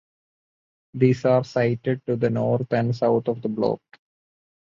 These are sited to the north and south of the block.